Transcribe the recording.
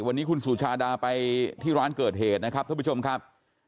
วันนี้คุณสุชาดาไปที่ร้านเกิดเหตุนะครับท่านผู้ชมครับ